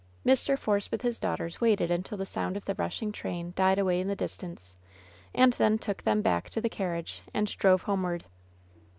Mr. Force with his daughters waited until the sound of the rushing train died away in the distance, and then took them back to the carriage and drove homeward.